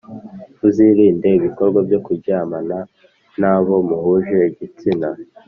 uzirinde ibikorwa byo kuryamana n abo muhuje igitsina